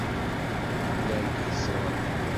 Llan xeṣṣren.